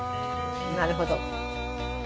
なるほど。